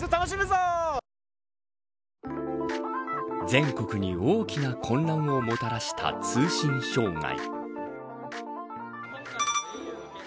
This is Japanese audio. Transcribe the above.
全国に大きな混乱をもたらした通信障害。